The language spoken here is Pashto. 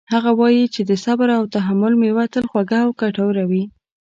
هغه وایي چې د صبر او تحمل میوه تل خوږه او ګټوره وي